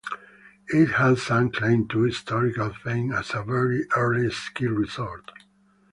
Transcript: It has some claim to historical fame as a very early ski resort.